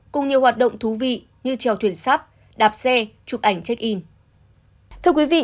cùng nhiều hoạt động thú vị như trèo thuyền sắp đạp xe chụp ảnh check in